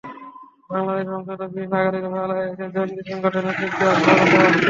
বাংলাদেশি বংশোদ্ভূত ব্রিটিশ নাগরিকদের বাংলাদেশে এসে জঙ্গি সংগঠনে যোগ দেওয়ার প্রবণতাও বাড়ছে।